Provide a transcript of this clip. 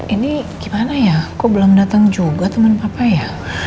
ini gimana ya kok belum datang juga teman papa ya